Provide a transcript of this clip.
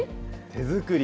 手作り。